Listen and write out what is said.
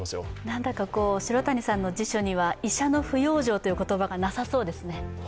何だか城谷さんの辞書には医者の不養生という言葉がなさそうですね。